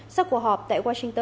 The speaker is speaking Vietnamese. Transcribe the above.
sau cuộc họp tại washington